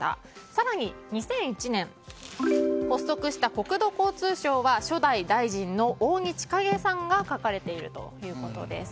更に２００１年発足した国土交通省は初代大臣の扇千景さんが書かれているということです。